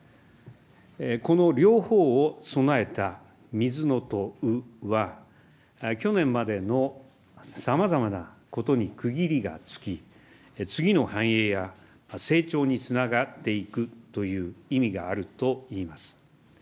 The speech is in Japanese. この両方を備えた癸卯は、去年までのさまざまなことに区切りがつき、次の繁栄や成長につながっていくという意味があるといいます。